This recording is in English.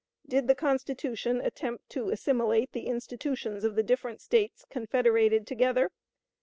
Did the Constitution attempt to assimilate the institutions of the different States confederated together?